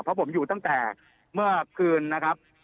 เพราะผมอยู่ตั้งแต่เมื่อคืนนะครับ